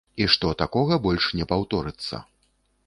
І што такога больш не паўторыцца.